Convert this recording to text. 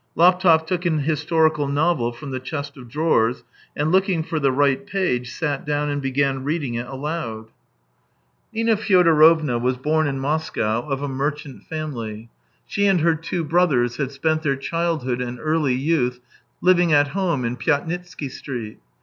Laptev took an historical novel from the chest of drawers, and kx)king for the right page, sat down and began reading it aloud. i84 THE TALES OF TCHEHOV Nina Fyodorovna was born in Moscow of a merchant family. She and her two brothers had spent their childhood and early youth, living at home in Pyatnitsky Street.